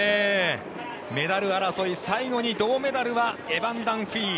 メダル争い最後に銅メダルはエバン・ダンフィー。